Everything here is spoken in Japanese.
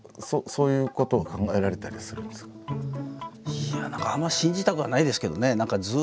いや何かあんま信じたくはないですけどね。